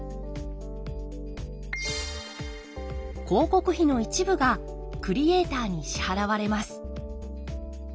広告費の一部がクリエーターに支払われます。